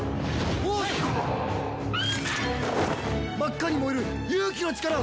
真っ赤に燃える勇気の力！